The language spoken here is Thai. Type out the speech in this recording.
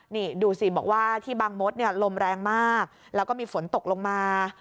นี่ดูสิบอกว่าที่บางมดเนี่ยลมแรงมากแล้วก็มีฝนตกลงมา